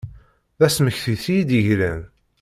D asmekti-s i yi-d-yegran.